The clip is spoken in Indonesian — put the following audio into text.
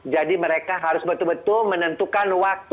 jadi mereka harus betul betul menentukan waktu